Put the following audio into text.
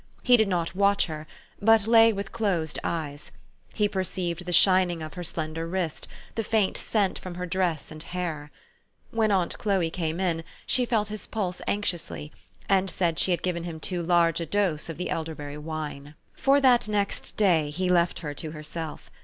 He did not watch her, but lay with closed eyes : he perceived the shining of her slender wrist, the faint scent from her dress and THE STORY OF AVIS. 191 hair. When aunt Chloe came in, she felt his pulse anxiously, and said she had given him too large a dose of the elderberry wane. For that next day he left her to herself.